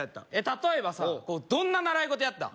例えばどんな習い事やった？